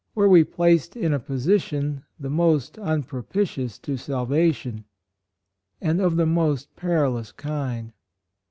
147 were we placed in a position the most unpropitious to salvation, and of the most perilous kind.